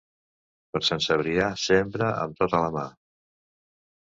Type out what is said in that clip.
Per Sant Cebrià, sembra amb tota la mà.